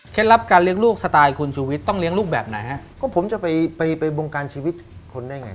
ลับการเลี้ยงลูกสไตล์คุณชูวิทย์ต้องเลี้ยงลูกแบบไหนฮะก็ผมจะไปไปบงการชีวิตคนได้ไง